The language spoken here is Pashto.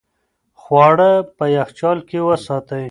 خواړه په یخچال کې وساتئ.